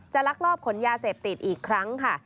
ลักลอบขนยาเสพติดอีกครั้งค่ะ